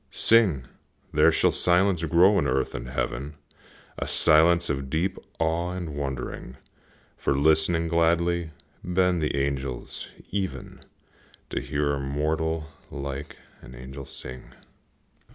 Sing! there shall silence grow in earth and heaven, A silence of deep awe and wondering; For, listening gladly, bend the angels, even, To hear a mortal like an angel sing.